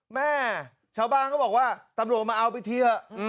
แม่ชาวบ้านเขาบอกว่าตำรวจมาเอาไปเที่ยว